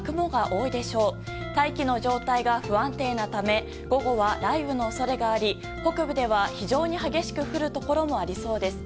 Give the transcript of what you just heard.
大気の状態が不安定なため午後は雷雨の恐れがあり北部では非常に激しく降るところもありそうです。